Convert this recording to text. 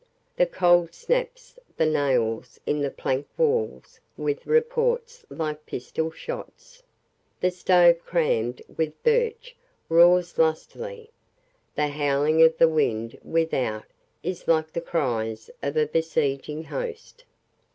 The cold snaps the nails in the plank walls with reports like pistol shots; the stove crammed with birch roars lustily; the howling of the wind without is like the cries of a besieging host.